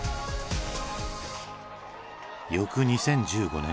翌２０１５年